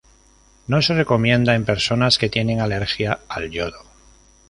No se recomienda en personas que tienen alergia al yodo.